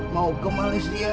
mau ke malaysia